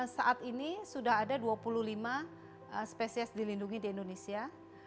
saat ini sudah ada dua puluh lima spesies dilindungi di indonesia